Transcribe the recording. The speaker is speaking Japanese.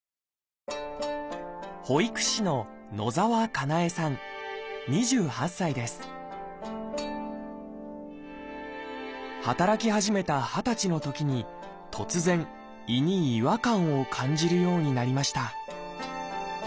保育士の働き始めた二十歳のときに突然胃に違和感を感じるようになりました